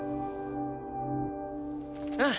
うん！